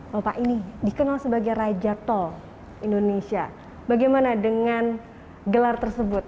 bapak ini dikenal sebagai raja tol indonesia bagaimana dengan gelar tersebut